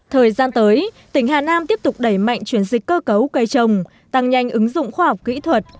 thời gian tới tỉnh hà nam tiếp tục đẩy mạnh chuyển dịch cơ cấu cây trồng tăng nhanh ứng dụng khoa học kỹ thuật